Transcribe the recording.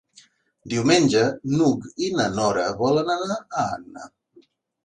Diumenge n'Hug i na Nora volen anar a Anna.